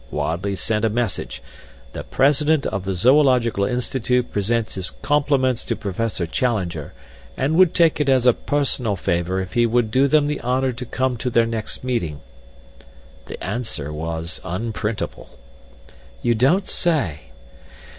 Wadley sent a message: 'The President of the Zoological Institute presents his compliments to Professor Challenger, and would take it as a personal favor if he would do them the honor to come to their next meeting.' The answer was unprintable." "You don't say?"